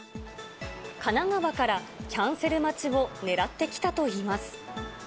神奈川からキャンセル待ちを狙って来たといいます。